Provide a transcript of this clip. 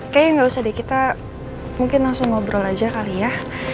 kayaknya nggak usah deh kita mungkin langsung ngobrol aja kali ya